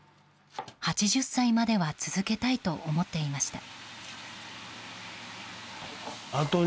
８０歳までは続けたいと思っていました。